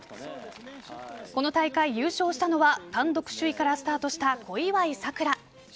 この大会、優勝したのは単独首位からスタートした小祝さくら。